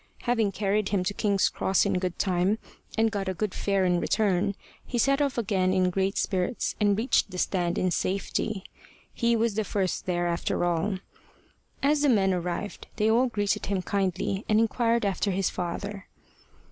Having carried him to King's Cross in good time, and got a good fare in return, he set off again in great spirits, and reached the stand in safety. He was the first there after all. As the men arrived they all greeted him kindly, and inquired after his father.